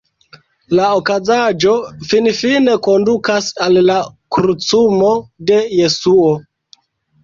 La okazaĵo finfine kondukas al la krucumo de Jesuo.